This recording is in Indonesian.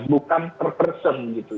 bukan per person gitu